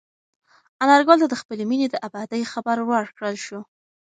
انارګل ته د خپلې مېنې د ابادۍ خبر ورکړل شو.